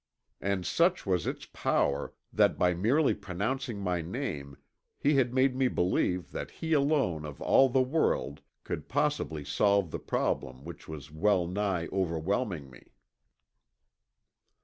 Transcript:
And such was its power that by merely pronouncing my name he had made me believe that he alone of all the world could possibly solve the problem which was well nigh overwhelming me.